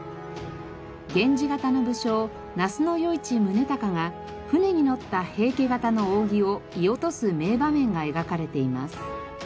源氏方の武将那須与一宗隆が船に乗った平家方の扇を射落とす名場面が描かれています。